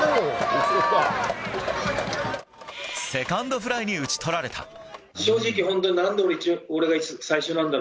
セカンドフライに打ち取られた。